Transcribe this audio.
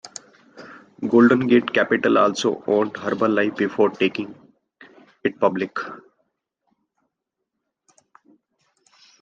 Golden Gate Capital also owned Herbalife before taking it public.